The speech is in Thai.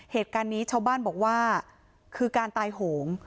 เหตุการณ์นี้ชาวบ้านบอกว่าคือการตายโหง